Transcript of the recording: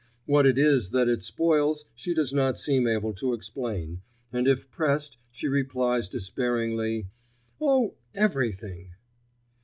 What it is that it spoils she does not seem able to explain, and if pressed she replies despairingly, "Oh! everything."